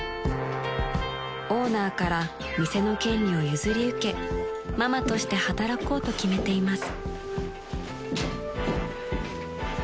［オーナーから店の権利を譲り受けママとして働こうと決めています］